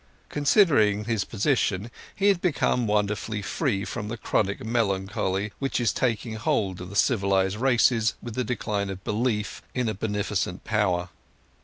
Considering his position he became wonderfully free from the chronic melancholy which is taking hold of the civilized races with the decline of belief in a beneficent Power.